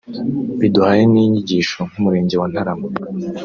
Biduhaye n’inyigisho nk’ Umurenge wa Ntarama